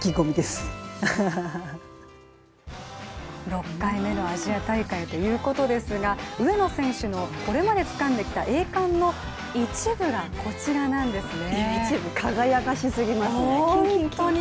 ６回目のアジア大会ということですが上野選手のこれまでつかんできた栄冠の一部がこちらなんですね。